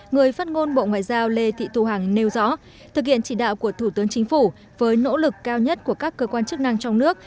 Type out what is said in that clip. người phát ngôn bộ ngoại giao lê thị thu hằng nêu rõ thực hiện chỉ đạo của thủ tướng chính phủ với nỗ lực cao nhất của các cơ quan chức năng trong nước